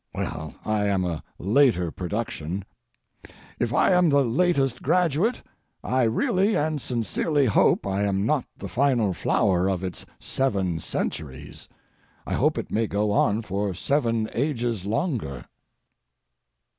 Well, I am a later production. If I am the latest graduate, I really and sincerely hope I am not the final flower of its seven centuries; I hope it may go on for seven ages longer.